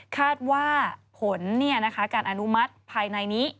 คาดว่าผลการอนุมัติภายในนี้